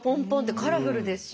カラフルですしね。